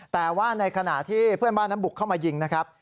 แต่ว่าในขณะที่เพื่อนบ้านนั้นบุกเข้ามายิงนะครับ